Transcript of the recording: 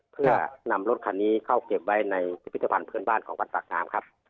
เพื่อนำรถคันนี้เข้าเก็บไว้ในพิพิธภัณฑ์เพื่อนบ้านของวัดปากน้ำครับ